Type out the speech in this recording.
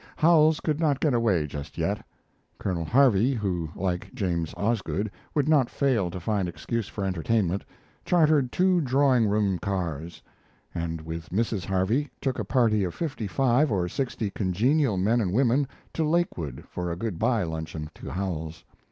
Howells could not get away just yet. Colonel Harvey, who, like James Osgood, would not fail to find excuse for entertainment, chartered two drawing room cars, and with Mrs. Harvey took a party of fifty five or sixty congenial men and women to Lakewood for a good by luncheon to Howells.